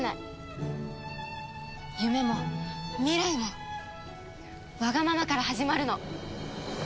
夢も未来もワガママから始まるの。